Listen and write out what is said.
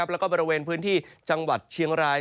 แล้วก็บริเวณพื้นที่จังหวัดเชียงราย